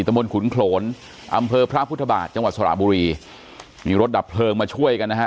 ตะมนต์ขุนโขนอำเภอพระพุทธบาทจังหวัดสระบุรีมีรถดับเพลิงมาช่วยกันนะฮะ